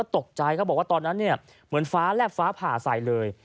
ตกใจเขาบอกว่าตอนนั้นเนี่ยเหมือนฟ้าแลบฟ้าผ่าใส่เลย